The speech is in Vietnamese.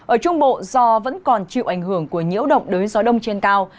ở trung bộ do vẫn còn chịu ảnh hưởng của nhiễu động đối với gió đông trên cao